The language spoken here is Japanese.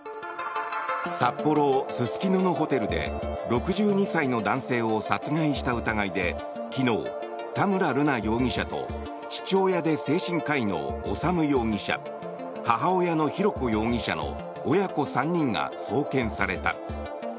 札幌・すすきののホテルで６２歳の男性を殺害した疑いで昨日、田村瑠奈容疑者と父親で精神科医の修容疑者母親の浩子容疑者の親子３人が送検された。